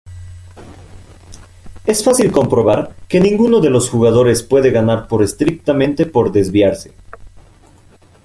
Es fácil comprobar que ninguno de los jugadores puede ganar por estrictamente por desviarse.